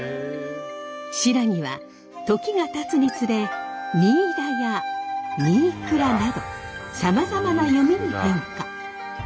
新羅は時がたつにつれ「にいら」や「にいくら」などさまざまな読みに変化。